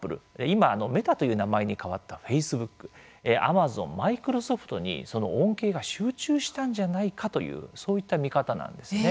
今、メタという名前に変わったフェイスブック、アマゾンマイクロソフトにその恩恵が集中したんじゃないかというそういった見方なんです。